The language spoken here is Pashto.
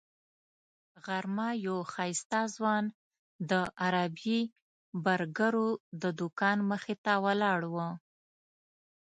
غرمه یو ښایسته ځوان د عربي برګرو د دوکان مخې ته ولاړ و.